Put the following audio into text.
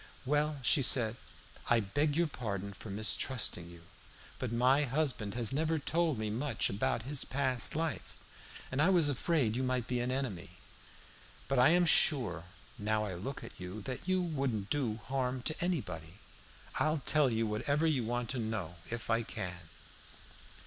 "Well," said she, "I beg your pardon for mistrusting you, but my husband has never told me much about his past life, and I was afraid you might be an enemy. But I am sure, now I look at you, that you wouldn't do harm to anybody. I'll tell you whatever you want to know, if I can."